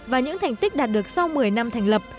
và những thành tích đạt được sau một mươi năm thành lập